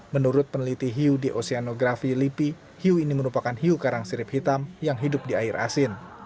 menurut peneliti hiu di oceanografi lipi hiu ini merupakan hiu karang sirip hitam yang hidup di air asin